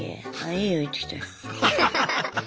いいよ行ってきて。